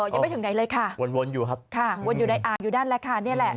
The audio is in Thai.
ยังไม่ถึงไหนเลยค่ะค่ะวนอยู่ในอ่านอยู่ด้านละค่ะนี่แหละ